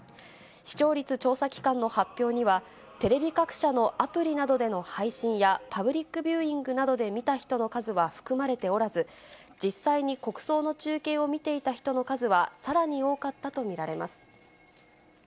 視聴率調査機関の発表には、テレビ各社のアプリなどでの配信や、パブリックビューイングなどで見た人の数は含まれておらず、実際に国葬の中継を見ていた人の数はさらに多かったと見られます。